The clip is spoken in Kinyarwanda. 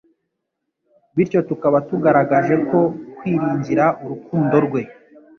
bityo tukaba tugaragaje ko kwiringira urukundo rwe